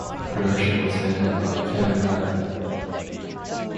Production was handled by Kevin Ratterman.